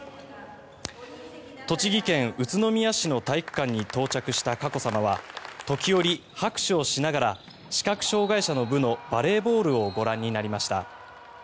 栃木県宇都宮市の体育館に到着した佳子さまは時折、拍手をしながら視覚障害者の部のバレーボールをご覧になりました。